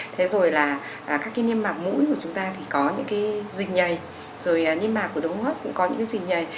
thế rồi là các cái niêm mạc mũi của chúng ta thì có những cái dịch nhầy